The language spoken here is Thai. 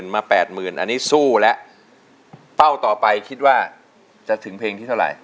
แปดหมื่นอันนี้สู้แล้วเป้าต่อไปคิดว่าจะถึงเพลงที่เท่าไหร่